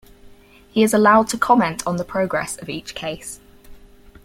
He is allowed to comment on the progress of each case.